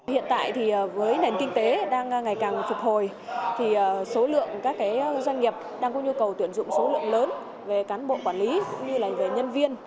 hiện tại thì với nền kinh tế đang ngày càng phục hồi thì số lượng các doanh nghiệp đang có nhu cầu tuyển dụng số lượng lớn về cán bộ quản lý cũng như là về nhân viên